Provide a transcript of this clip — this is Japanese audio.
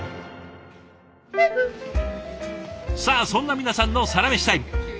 さあそんな皆さんのサラメシタイム。